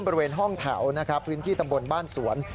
บริเวณห้องแถวนะครับพื้นที่ตำบลบ้านสวน